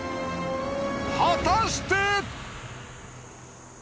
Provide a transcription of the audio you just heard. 果たして。